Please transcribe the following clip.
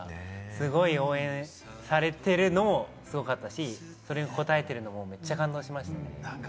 すごい応援されてるのもすごかったし、それに応えてるのもめっちゃ感動しました。